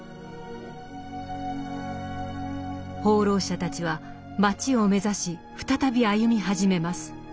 放浪者たちは「街」を目指し再び歩み始めます。